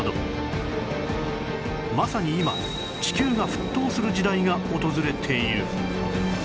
まさに今地球が沸騰する時代が訪れている